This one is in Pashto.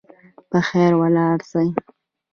په خیر ولاړ سئ.